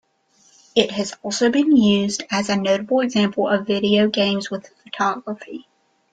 It has also been used as a notable example of video games with photography.